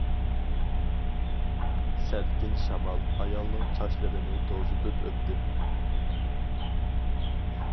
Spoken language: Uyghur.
سەلكىن شامال ئايالنىڭ چاچلىرىنى توزۇتۇپ ئۆتتى.